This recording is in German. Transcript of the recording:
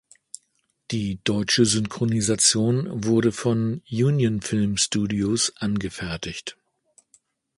Die deutsche Synchronisation wurde von Union Film Studios angefertigt.